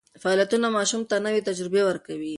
فعالیتونه ماشوم ته نوې تجربې ورکوي.